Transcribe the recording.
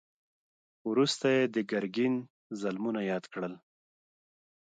وروسته يې د ګرګين ظلمونه ياد کړل.